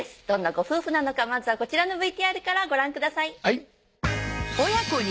どんなご夫婦なのかまずはこちらのＶＴＲからご覧ください